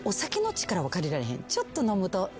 ちょっと飲むとフッと。